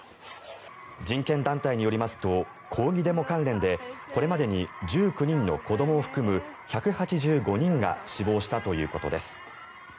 人権団体によりますと抗議デモ関連でこれまでに１９人の子どもを含む１８５人が死亡したということです。